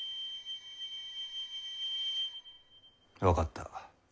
分かった。